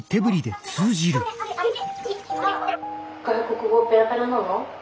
外国語ペラペラなの？